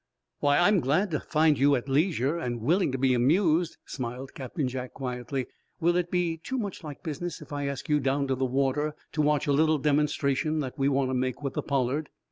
"Why, I am glad to find you at leisure, and willing to be amused," smiled Captain Jack, quietly. "Will it be too much like business if I ask you down to the water to watch a little demonstration that we want to make with the 'Pollard'?"